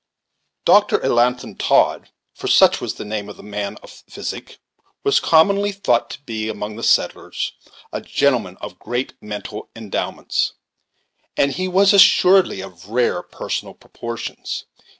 Doctor Elnathan Todd, for such was the name of the man of physic, was commonly thought to be, among the settlers, a gentleman of great mental endowments, and he was assuredly of rare personal proportions.